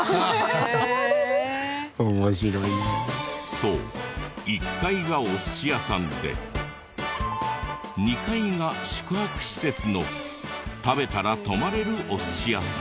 そう１階がお寿司屋さんで２階が宿泊施設の食べたら泊まれるお寿司屋さん。